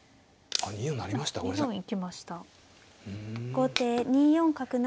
後手２四角成。